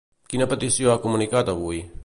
Quina petició ha comunicat avui?